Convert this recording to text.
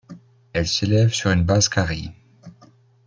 Elle s'élève sur une base carrée.